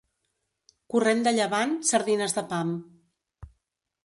Corrent de llevant, sardines de pam.